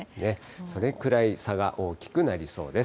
それくらい差が大きくなりそうです。